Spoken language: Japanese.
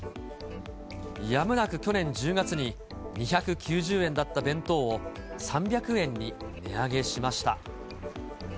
やむなく去年１０月に、２９０円だった弁当を３００円に値上げしました。